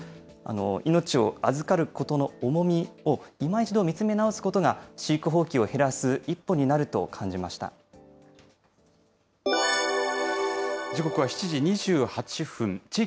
命を預かることの重みを今一度見つめ直すことが、飼育放棄を減ら時刻は７時２８分。